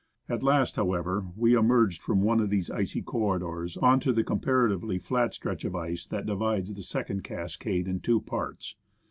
At last, however, we emerged from one of these icy corri dors on to the comparatively flat stretch of ice, that divides the second cascade into two parts.